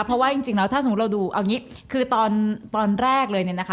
เพราะว่าจริงแล้วถ้าสมมุติเราดูเอางี้คือตอนแรกเลยเนี่ยนะคะ